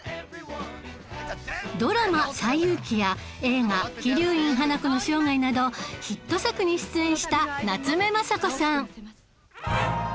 ドラマ『西遊記』や映画『鬼龍院花子の生涯』などヒット作に出演した夏目雅子さん